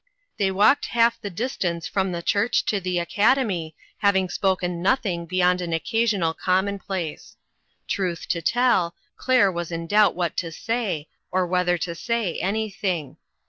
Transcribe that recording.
They walked half the distance from the church to the Academy, having spoken noth ing beyond an occasional commonplace. Truth to tell, Claire was in doubt what to say, or whether to say anything.